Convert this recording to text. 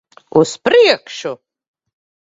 Uz priekšu!